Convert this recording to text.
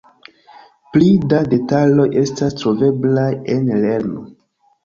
Pli da detaloj estas troveblaj en lernu!